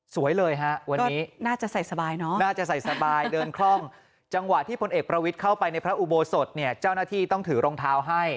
เลยฮะวันนี้น่าจะใส่สบายเนาะน่าจะใส่สบายเดินคล่องจังหวะที่พลเอกประวิทย์เข้าไปในพระอุโบสถเนี่ยเจ้าหน้าที่ต้องถือรองเท้าให้